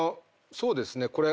そうです。